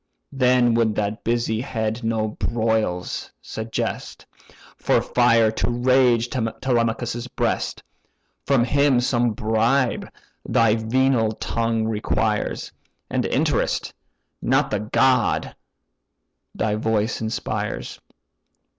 Then would that busy head no broils suggest, For fire to rage Telemachus' breast, From him some bribe thy venal tongue requires, And interest, not the god, thy voice inspires.